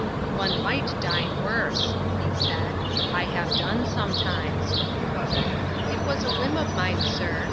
"One might dine worse," he said; "I have done, sometimes." "It was a whim of mine, sir.